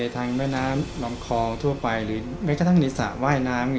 ทางแม่น้ำลำคอทั่วไปหรือแม้กระทั่งในสระว่ายน้ำ